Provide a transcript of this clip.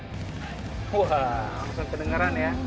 langsung kedengeran ya